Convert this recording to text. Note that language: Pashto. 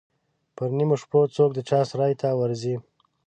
پر نیمو شپو څوک د چا سرای ته ورځي.